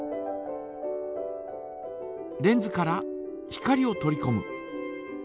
レンズから光を取りこむ。